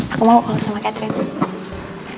aku mau aku langsung sama catherine